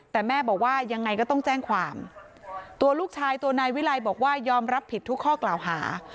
แต่แม่บอกว่ายังไงก็ต้องแจ้งความตัวลูกชายตัวนายวิรัยบอกว่ายอมรับผิดทุกข้อกล่าวหา